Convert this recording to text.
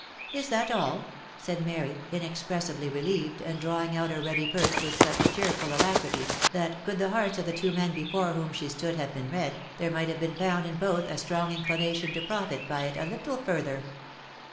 Is that all?" said Mary, inexpressibly relieved, and drawing out her ready purse with such cheerful alacrity, that could the hearts of the two men before whom she stood have been read, there might have been found in both a strong inclination to profit by it a little further.